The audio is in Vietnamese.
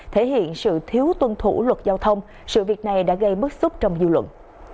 thể hiện sự thiếu tuân thủ luật giao thông sự việc này đã gây bức xúc trong dư luận